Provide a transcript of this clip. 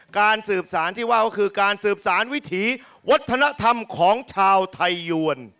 การสืบสารวิถีวัฒนธรรมของชาวไทยย้วน